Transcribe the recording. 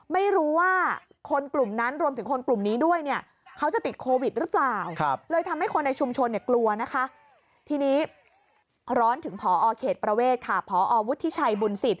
ไม่รู้ว่าคนกลุ่มนั้นรวมถึงคนกลุ่มนี้ด้วย